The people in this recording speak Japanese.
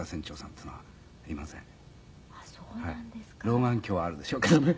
老眼鏡はあるでしょうけどね。